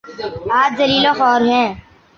آج ذلیل وخوار ہیں۔